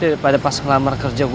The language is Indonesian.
apa yang kamu tahu